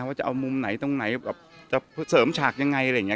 ว่าจะเอามุมไหนตรงไหนแบบจะเสริมฉากยังไงอะไรอย่างนี้